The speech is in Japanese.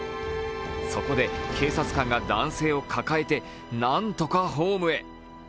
そこで警察官が男性を抱えてなんとかホームへ。